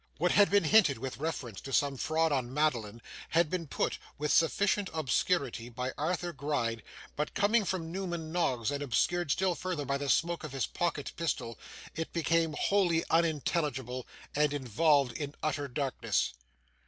What had been hinted with reference to some fraud on Madeline, had been put, with sufficient obscurity by Arthur Gride, but coming from Newman Noggs, and obscured still further by the smoke of his pocket pistol, it became wholly unintelligible, and involved in utter darkness.